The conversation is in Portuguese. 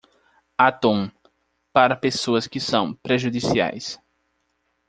Atum, para pessoas que são prejudiciais.